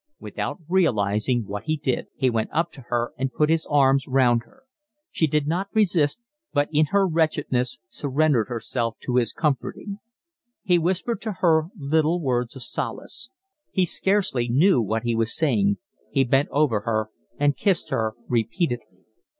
Without realising what he did, he went up to her and put his arms round her; she did not resist, but in her wretchedness surrendered herself to his comforting. He whispered to her little words of solace. He scarcely knew what he was saying, he bent over her and kissed her repeatedly.